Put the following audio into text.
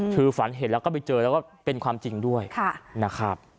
คือฝันเห็นแล้วก็ไปเจอแล้วก็เป็นความจริงด้วยนะครับ